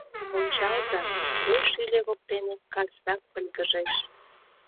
Ончалза, той шӱльӧ воктене Карсак пыльгыжеш.